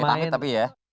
amin amin tapi ya